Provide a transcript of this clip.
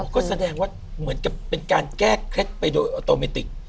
ก็แสดงว่าเหมือนกับเป็นการแก้เคล็ดไปโดยออโตเมติก